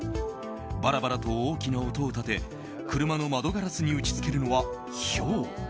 バラバラと大きな音を立て車の窓ガラスに打ち付けるのはひょう。